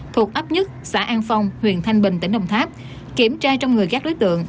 thuộc ấp nhất xã an phong huyện thanh bình tỉnh đồng tháp kiểm tra trong người các đối tượng